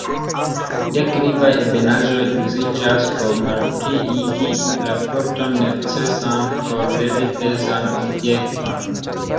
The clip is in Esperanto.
Deklivaj ebenaĵoj uziĝas por malpliigi la forton necesan por levi pezan objekton.